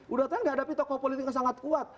udah tanya dihadapi tokoh politik yang sangat kuat